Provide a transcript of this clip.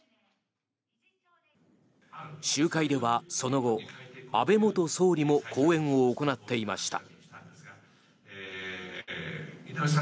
集会ではその後、安倍元総理も講演を行っていました。